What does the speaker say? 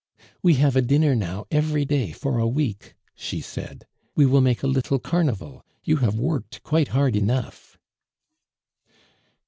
"We have a dinner now every day for a week," she said; "we will make a little carnival; you have worked quite hard enough."